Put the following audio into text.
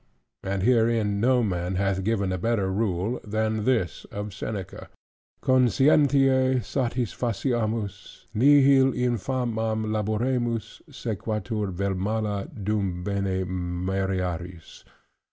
And herein no man hath given a better rule, than this of Seneca; "Conscientiæ satisfaciamus: nihil in famam laboremus, sequatur vel mala, dum bene merearis."